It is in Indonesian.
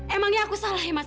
emangnya aku salah ya mas